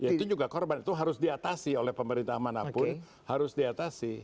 itu juga korban itu harus diatasi oleh pemerintah manapun harus diatasi